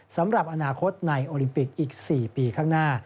สำหรับอนาคตในโอลิมปิกอีก๔ปีข้างหน้า